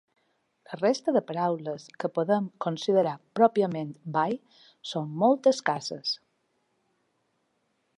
La resta de paraules que podem considerar pròpiament bai són molt escasses.